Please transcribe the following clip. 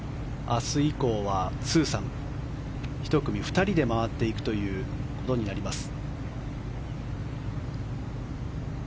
明日以降は２サム、１組２人で回っていくことになります。